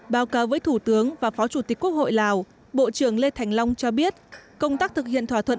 báo cáo với thủ tướng và phó chủ tịch quốc hội lào bộ trưởng lê thành long cho biết công tác thực hiện thỏa thuận